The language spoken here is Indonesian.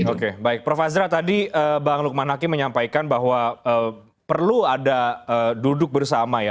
oke baik prof azra tadi bang lukman haki menyampaikan bahwa perlu ada duduk bersama ya